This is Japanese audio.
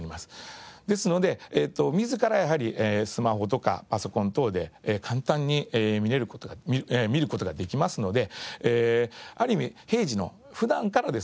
ですので自らやはりスマホとかパソコン等で簡単に見る事ができますのである意味平時の普段からですね